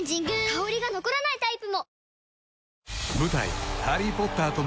香りが残らないタイプも！